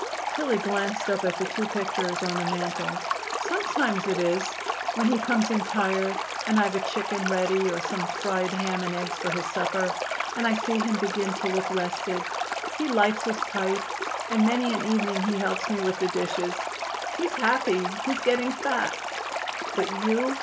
Tillie glanced up at the two pictures over the mantel. "Sometimes it is when he comes in tired, and I've a chicken ready or some fried ham and eggs for his supper, and I see him begin to look rested. He lights his pipe, and many an evening he helps me with the dishes. He's happy; he's getting fat." "But you?"